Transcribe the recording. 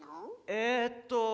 えっと。